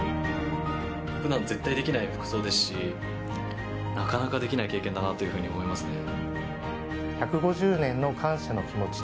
普段絶対できない服装ですしなかなかできない経験だなと思いますね。